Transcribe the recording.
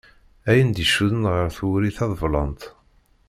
Ayen d-icudden γer twuri taḍeblant.